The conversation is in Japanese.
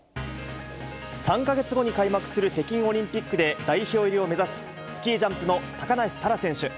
３か月後に開幕する北京オリンピックで代表入りを目指す、スキージャンプの高梨沙羅選手。